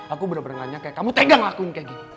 aku bener bener nanya kayak kamu tengah ngelakuin kayak gini